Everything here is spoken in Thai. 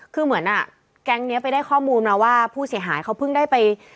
คือเหมือนอ่ะแก๊งนี้ไปได้ข้อมูลมาว่าผู้เสียหายเขาเพิ่งได้ไป